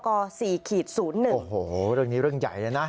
โอ้โหเรื่องนี้เรื่องใหญ่เลยนะ